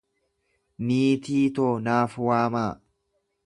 Niitii too naaf waamaa.